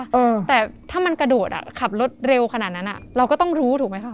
เออแต่ถ้ามันกระโดดอ่ะขับรถเร็วขนาดนั้นอ่ะเราก็ต้องรู้ถูกไหมคะ